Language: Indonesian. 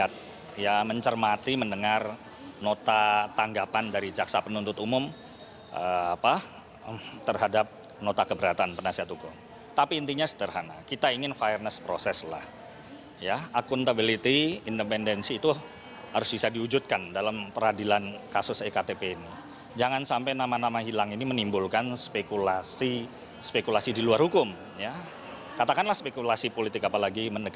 tim kuasa hukumnya juga mengisyaratkan novanto masih mempertimbangkan menjadi justice kolaborator apalagi kpk sedang menyelidiki keterlibatan keluarga mantan ketua umum golkar ini